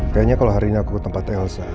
kayaknya kalau hari ini aku ke tempat elsa